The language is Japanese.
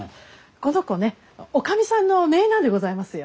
この子ね女将さんの姪なんでございますよ。